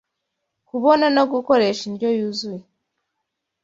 kubona no gukoresha indyo yuzuye,